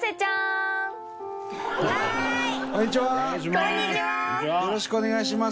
伊達：よろしくお願いします。